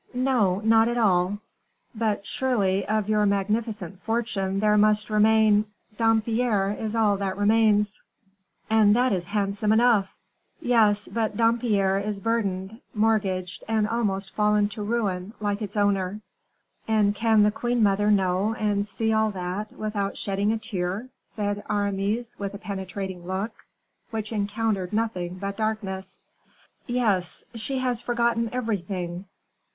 "No, not at all." "But surely of your magnificent fortune there must remain " "Dampierre is all that remains." "And that is handsome enough." "Yes; but Dampierre is burdened, mortgaged, and almost fallen to ruin, like its owner." "And can the queen mother know and see all that, without shedding a tear?" said Aramis, with a penetrating look, which encountered nothing but darkness. "Yes. She has forgotten everything."